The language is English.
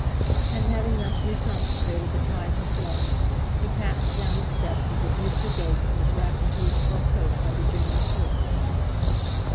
And having thus reconsecrated the ties of blood, he passed down the steps at his youthful gait and was wrapped into his fur coat by the junior porter.